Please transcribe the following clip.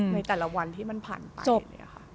ในแต่ละวันที่มันผ่านจบ